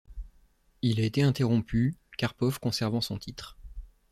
Il a été interrompu, Karpov conservant son titre.